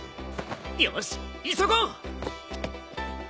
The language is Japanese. よし急ごう！